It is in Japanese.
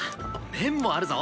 麺もあるぞ。